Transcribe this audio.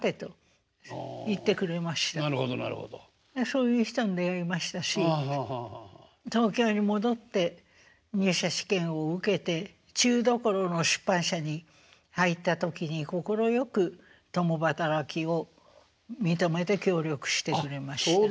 そういう人に出会いましたし東京に戻って入社試験を受けて中どころの出版社に入った時に快く共働きを認めて協力してくれました。